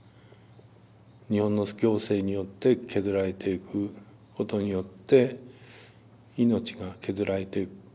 日本の行政によって削られていくことによって命が削られていく。